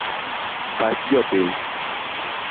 Pach jopiny..